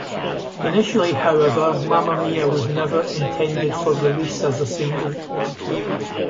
Initially however, "Mamma Mia" was never intended for release as a single.